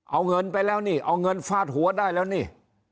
เอาเงินไปแล้วนี่เอาเงินฟาดหัวได้แล้วนี่